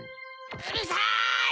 うるさい！